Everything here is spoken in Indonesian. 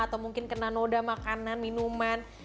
atau mungkin kena noda makanan minuman